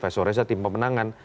faisal reza tim pemenangan